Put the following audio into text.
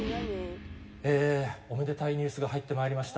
えー、おめでたいニュースが入ってまいりました。